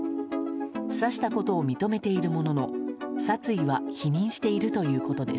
刺したことを認めているものの殺意は否認しているということです。